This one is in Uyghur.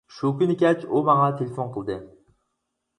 شۇ كۈنى كەچ ئۇ ماڭا تېلېفون قىلدى.